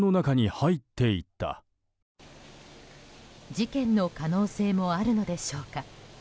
事件の可能性もあるのでしょうか？